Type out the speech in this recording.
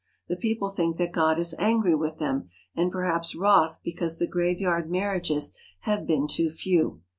The people think that God is angry with them, and perhaps wroth because the graveyard marriages have been too few.